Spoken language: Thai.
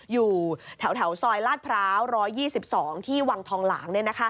อยู่แถวซอยลาดพร้าว๑๒๒ที่วังทองหลาง